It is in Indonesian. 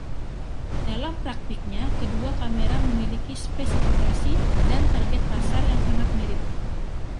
Dalam praktiknya kedua kamera memiliki spesifikasi dan target pasar yang sangat mirip.